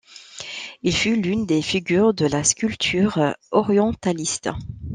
Il fut l'une des figures de la sculpture orientaliste.